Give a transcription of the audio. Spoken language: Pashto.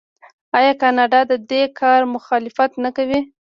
آیا کاناډا د دې کار مخالفت نه کوي؟